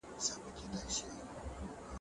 د اولادونو د درملنې مصارف د چا پر غاړه دي؟